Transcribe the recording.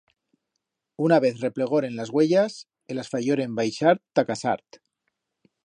Una vez replegoren las uellas e las fayioren baixar ta Casart.